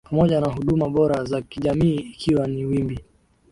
pamoja na huduma bora za kijamii ikiwa ni wimbi